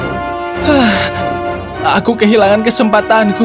ah aku kehilangan kesempatanku